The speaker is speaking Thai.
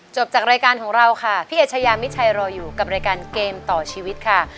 จากรายการของเราค่ะพี่เอชยามิชัยรออยู่กับรายการเกมต่อชีวิตค่ะ